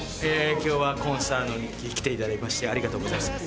今日はコンサートに来ていただきましてありがとうございます。